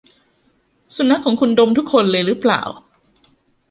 สุนัขของคุณดมทุกคนเลยรึเปล่า ?